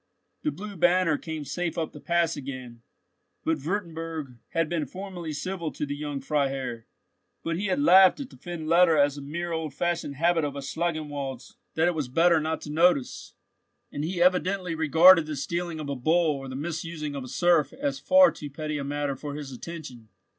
The blue banner came safe up the Pass again, but Wurtemburg had been formally civil to the young Freiherr; but he had laughed at the fend letter as a mere old fashioned habit of Schangenwald's that it was better not to notice, and he evidently regarded the stealing of a bull or the misusing of a serf as far too petty a matter for his attention.